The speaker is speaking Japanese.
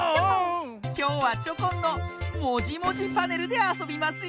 きょうはチョコンの「もじもじパネル」であそびますよ。